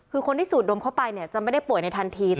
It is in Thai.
คือคนที่สูดดมเข้าไปจะไม่ได้ป่วยในทันที